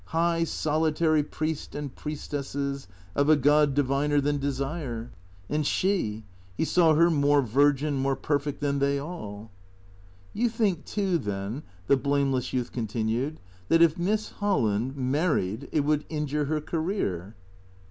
High, solitary priest and priest esses of a god diviner than desire. And She — he saw her more virgin, more perfect than they all. "You think too then," the blamless youth continued, "that if Miss Holland — married it would injure her career